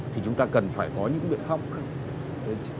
thì chúng ta cần phải có những biện pháp khác